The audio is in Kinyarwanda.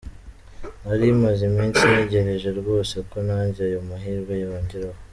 Nari maze iminsi ntegereje rwose ko nanjye ayo mahirwe yangeraho.